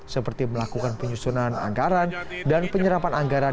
seperti melakukan penyusunan anggaran dan penyerapan anggaran